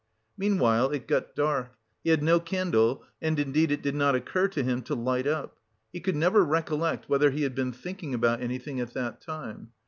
Meanwhile it got dark; he had no candle and, indeed, it did not occur to him to light up. He could never recollect whether he had been thinking about anything at that time.